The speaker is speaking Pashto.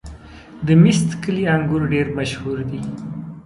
د میست کلي انګور ډېر مشهور دي.